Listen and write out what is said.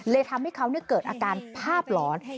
ทำให้เขาเกิดอาการภาพหลอน